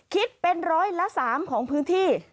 คิดเป็นร้อยละ๓ของพื้นที่